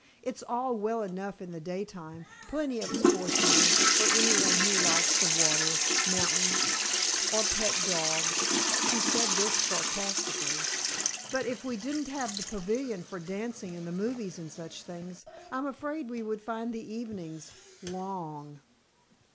"It's all well enough in the daytime plenty of sport then for anyone who likes the water, mountains or pet dogs," she said this sarcastically, "but if we didn't have the pavilion for dancing and the movies and such things, I'm afraid we would find the evenings long!"